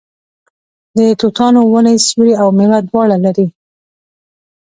د توتانو ونې سیوری او میوه دواړه لري.